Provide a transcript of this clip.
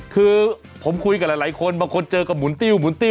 คือผมคุยกับหลายคนบางคนเจอกันหมุนตี้วอย่างนี้